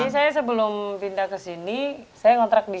jadi saya sebelum pindah ke sini saya ngontrak di situ